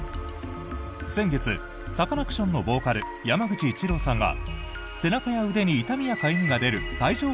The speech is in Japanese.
先月、サカナクションのボーカル山口一郎さんが背中や腕に痛みやかゆみが出る帯状